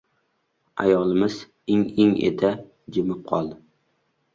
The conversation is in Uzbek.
Ayolimiz ing-ing eta jimib qoldi.